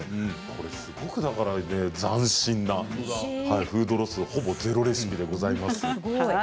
すごく、ざん新なフードロスほぼゼロレシピでございます。